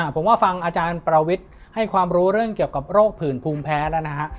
ผมว่าฟังอาจารย์ประวิทย์ให้ความรู้เรื่องเกี่ยวกับโรคผื่นภูมิแพ้แล้วนะฮะ